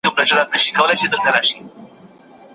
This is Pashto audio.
په دې ښار کي د وګړو « پردی غم نیمی اختر دی»